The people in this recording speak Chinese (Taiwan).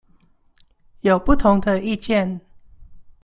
有不同的意見